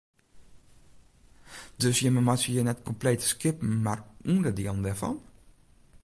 Dus jim meitsje hjir net komplete skippen mar ûnderdielen dêrfan?